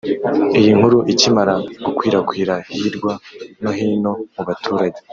Iyi nkuru ikimara gukwirakwira hirwa no hino mu baturage